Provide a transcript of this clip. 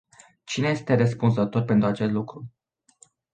Cine este răspunzător pentru acest lucru?